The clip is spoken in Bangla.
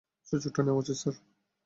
সুযোগটা নেওয়া উচিত, স্যার!